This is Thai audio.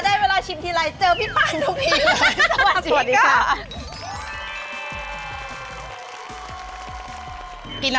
ได้เวลาชิมทีไรเจอพี่ปานทุกทีเลย